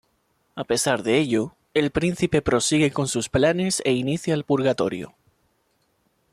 A pesar de ello, el príncipe prosigue con sus planes e inicia el purgatorio.